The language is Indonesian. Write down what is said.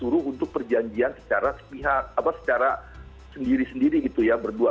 disuruh untuk perjanjian secara sendiri sendiri gitu ya berdua